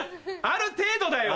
ある程度だよ。